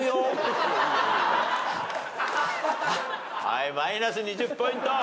はいマイナス２０ポイント。